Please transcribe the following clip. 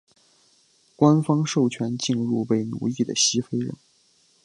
官方授权进口被奴役的西非人。